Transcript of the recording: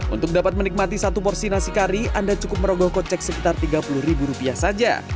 untuk dapat menikmati satu porsi nasi kari anda cukup merogoh kocek sekitar tiga puluh ribu rupiah saja